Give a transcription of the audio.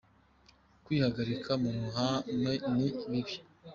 Kwihagarika mu ruhame ni bibi!